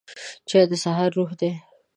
چای د سهار روح دی